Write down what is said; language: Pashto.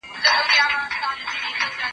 زه به سبا د لوبو لپاره وخت ونيسم!